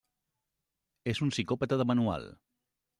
És un psicòpata de manual.